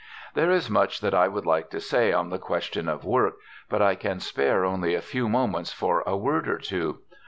There is much that I would like to say on the question of work, but I can spare only a few moments for a word or two.